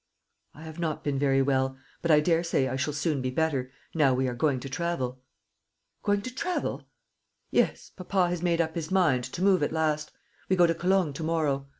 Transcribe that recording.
"I have not been very well; but I daresay I shall soon be better, now we are going to travel." "Going to travel!" "Yes, papa has made up his mind to move at last. We go to Cologne to morrow.